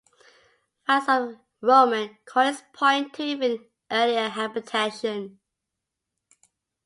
Finds of Roman coins point to even earlier habitation.